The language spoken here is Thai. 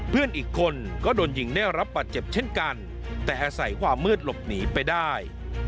เพื่อนอีกคนก็โดนยิงได้รับบาดเจ็บเช่นกันแต่อาศัยความมืดหลบหนีไปได้